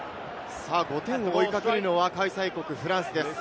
５点を追いかけるのは開催国フランスです。